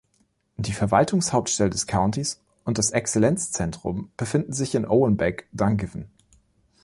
Die Verwaltungshauptstelle des Countys und das Exzellenzzentrum befinden sich in Owenbeg, Dungiven.